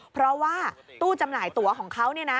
เพราะว่าตู้จำหน่ายตัวของเขา